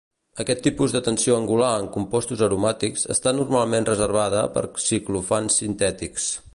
Aquest tipus de tensió angular en compostos aromàtics està normalment reservada per ciclofans sintètics.